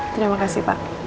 terima kasih pak